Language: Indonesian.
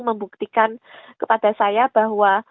membuktikan kepada saya bahwa